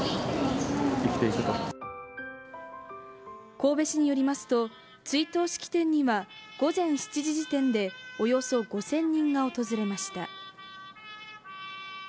神戸市によりますと、追悼式典には午前７時時点でおよそ５０００人が訪れました。